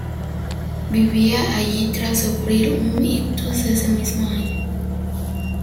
Vivía allí tras sufrir un ictus ese mismo año.